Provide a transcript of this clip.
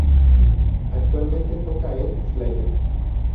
Actualmente toca en Slayer.